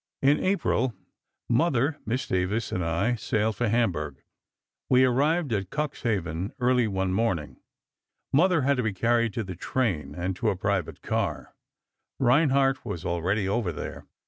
"In April, Mother, Miss Davies and I sailed for Hamburg. We arrived at Cuxhaven early one morning. Mother had to be carried to the train and to a private car. Reinhardt was already over there.